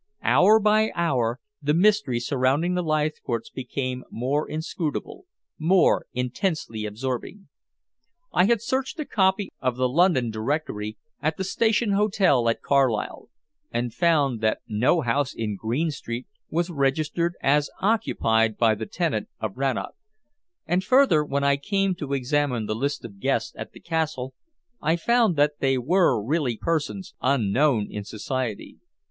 Hour by hour the mystery surrounding the Leithcourts became more inscrutable, more intensely absorbing. I had searched a copy of the London Directory at the Station Hotel at Carlisle, and found that no house in Green Street was registered as occupied by the tenant of Rannoch; and, further, when I came to examine the list of guests at the castle, I found that they were really persons unknown in society.